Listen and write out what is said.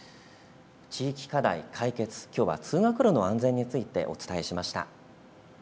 地域課題カイケツ、きょうは通学路の安全についてお伝えしました。